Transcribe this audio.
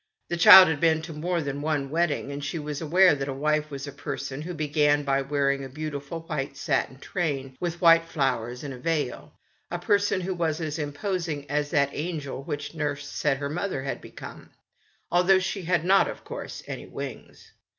The child had been to more than one wed ding, and she was aware that a wife was a person who began by wearing a beautiful white satin train, with white flowers and a veil ; a person who was as imposing as that angel which nurse said her mother had become, although she had not, of course, any wings.